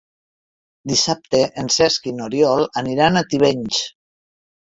Dissabte en Cesc i n'Oriol aniran a Tivenys.